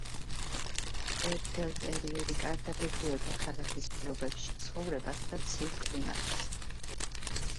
ერდელტერიერი კარგად ეგუება ქალაქის პირობებში ცხოვრებას და ცივ კლიმატს.